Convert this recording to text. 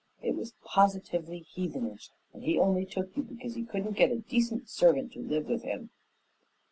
It was positively heathenish, and he only took you because he couldn't get a decent servant to live with him."